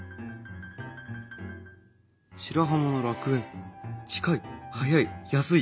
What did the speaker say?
白浜の楽園「近い・早い・安い。